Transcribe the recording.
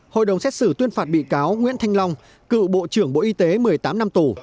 hội đồng xét xử tuyên phạt bị cáo nguyễn thanh long cựu bộ trưởng bộ y tế một mươi tám năm tù